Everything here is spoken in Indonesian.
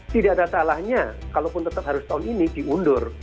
tidak ada salahnya kalaupun tetap harus tahun ini diundur